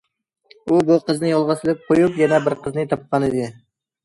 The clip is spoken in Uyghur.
ئۇ بۇ قىزنى يولغا سېلىپ قويۇپ يەنە بىر قىزنى تاپقانىدى.